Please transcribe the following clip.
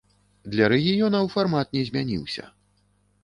Для рэгіёнаў фармат не змяніўся.